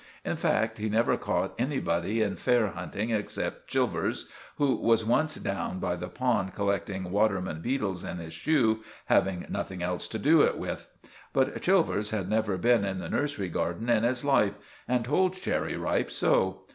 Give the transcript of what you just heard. In fact, he never caught anybody in fair hunting except Chilvers, who was once down by the pond collecting waterman beetles in his shoe, having nothing else to do it with. But Chilvers had never been in the nursery garden in his life, and told Cherry Ripe so.